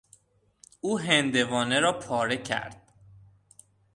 او هندوانه را پاره کرد.